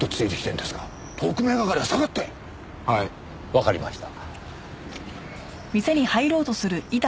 わかりました。